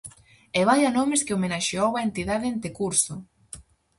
E vaia nomes que homenaxeou a entidade ente curso.